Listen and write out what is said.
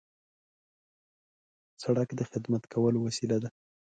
سړک د خدمت کولو وسیله ده.